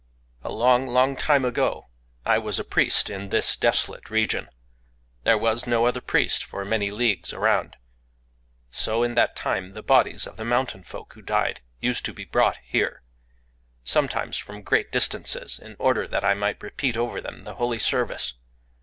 "A long, long time ago, I was a priest in this desolate region. There was no other priest for many leagues around. So, in that time, the bodies of the mountain folk who died used to be brought here,—sometimes from great distances,—in order that I might repeat over them the holy service.